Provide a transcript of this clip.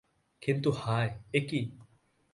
কিন্তু হায়, এ কী!